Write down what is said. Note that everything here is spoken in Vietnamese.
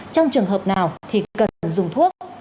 trong trường hợp nào thì cần dùng thuốc